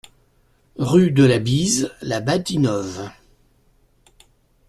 Rue de la Bise, La Bâtie-Neuve